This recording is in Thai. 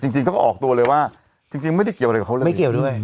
จริงเขาก็ออกตัวเลยว่าจริงไม่ได้เกี่ยวอะไรกับเขาเลยไม่เกี่ยวด้วย